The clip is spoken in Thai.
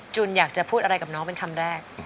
อยากจะพูดอะไรกับน้องเป็นคำแรก